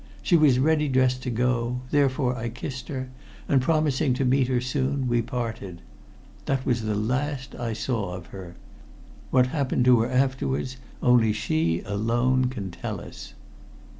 She was ready dressed to go, therefore I kissed her, and promising to meet her soon, we parted. That was the last I saw of her. What happened to her afterwards only she alone can tell us."